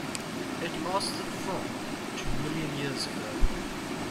It lasted from to million years ago.